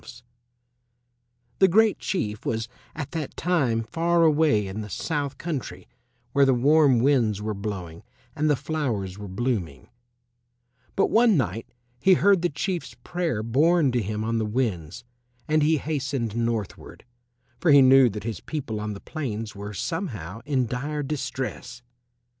AND FAR OUT ON THE OCEAN HE COULD SEE GREAT SHIPS GOING BY] The Great Chief was at that time far away in the south country where the warm winds were blowing and the flowers were blooming. But one night he heard the Chief's prayer borne to him on the winds, and he hastened northward, for he knew that his people on the plains were somehow in dire distress.